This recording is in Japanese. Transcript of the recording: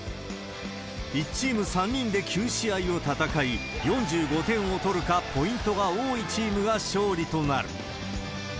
１チーム３人で９試合を戦い、４５点を取るか、ポイントが多いチームが勝利となる。